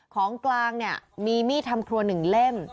ของกลางเนี่ยมีมีดทำครัว๑เล่ม